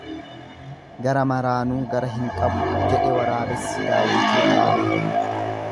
Gara maraanuu gara hin qabu, jedhe waraabessi daawwitii laalee.